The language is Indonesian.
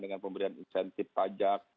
dengan pemberian insentif pajak